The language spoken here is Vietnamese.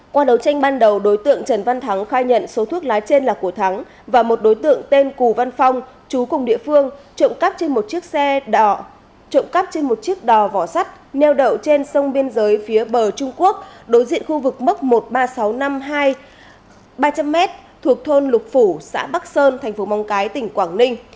qua đấu tranh ban đầu đối tượng trần văn thắng khai nhận số thuốc lái trên là của thắng và một đối tượng tên cù văn phong chú cùng địa phương trộm cắp trên một chiếc đò vỏ sắt nêu đậu trên sông biên giới phía bờ trung quốc đối diện khu vực mốc một mươi ba nghìn sáu trăm năm mươi hai ba trăm linh m thuộc thôn lục phủ xã bắc sơn tp mong cái tỉnh quảng ninh